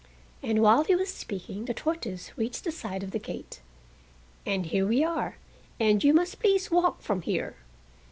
And while he was speaking the tortoise reached the side of the gate. "And here we are, and you must please walk from here."